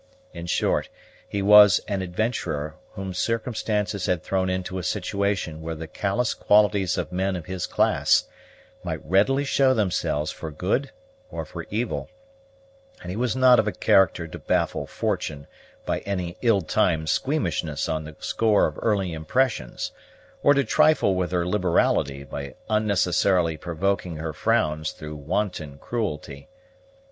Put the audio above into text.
In short, he was an adventurer whom circumstances had thrown into a situation where the callous qualities of men of his class might readily show themselves for good or for evil; and he was not of a character to baffle fortune by any ill timed squeamishness on the score of early impressions, or to trifle with her liberality by unnecessarily provoking her frowns through wanton cruelty.